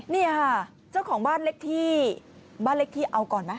นี่ค่ะเจ้าของบ้านเลขที่บ้านเล็กที่เอาก่อนไหม